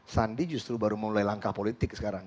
sandi justru baru memulai langkah politik sekarang